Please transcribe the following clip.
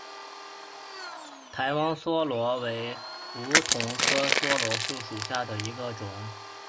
台湾梭罗为梧桐科梭罗树属下的一个种。